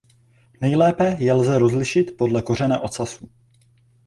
Nejlépe je lze rozlišit podle kořene ocasu.